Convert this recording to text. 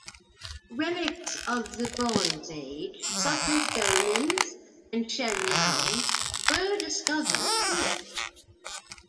Relics of the Bronze Age, such as dolmens and shell mounds, were discovered here.